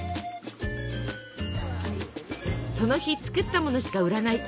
その日作ったものしか売らない。